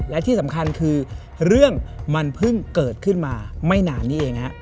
และที่สำคัญคือเรื่องมันเพิ่งเกิดขึ้นมาไม่นานนี้เองฮะ